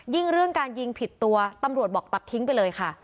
เรื่องการยิงผิดตัวตำรวจบอกตัดทิ้งไปเลยค่ะ